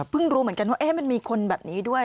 รู้เหมือนกันว่ามันมีคนแบบนี้ด้วย